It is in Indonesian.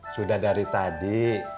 sudah dari tadi